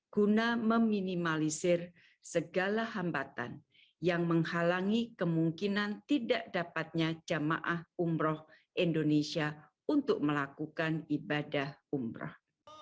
guna meminimalisir segala hambatan yang menghalangi kemungkinan tidak dapatnya jamaah umroh indonesia untuk melakukan ibadah umroh